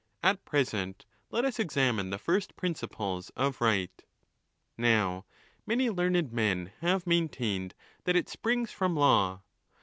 At pre= sent: let us examine the first principles of Right. _ Now, many learned men have maintained that it springs from law.